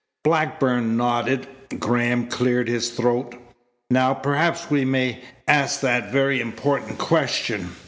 Blackburn nodded. Graham cleared his throat. "Now perhaps we may ask that very important question.